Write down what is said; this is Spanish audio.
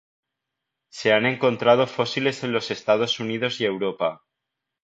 Se han encontrado fósiles en los Estados Unidos y Europa.